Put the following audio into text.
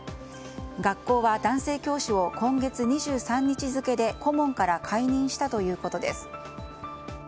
学校は男性教師を今月２３日付で顧問から解任したということです。